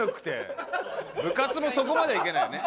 部活もそこまではいけないよね。